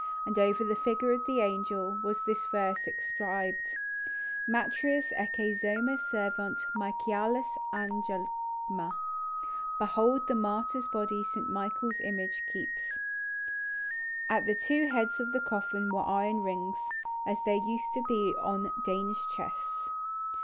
And over the figure of the angel was this verse inscribed:— "Martiris ecce zoma servat Michaelis agalma." ("Behold the martyr's body St. Michael's image keeps.") At the two heads of the coffin were iron rings, as there used to be on Danish chests.